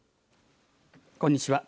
こんにちは。